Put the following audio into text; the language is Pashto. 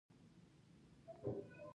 کوچنی نیکي هم کله کله لوی بدلون راولي.